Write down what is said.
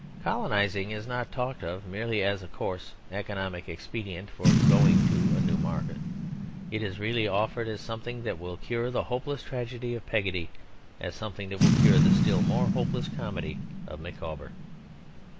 Colonising is not talked of merely as a coarse, economic expedient for going to a new market. It is really offered as something that will cure the hopeless tragedy of Peggotty; as something that will cure the still more hopeless comedy of Micawber.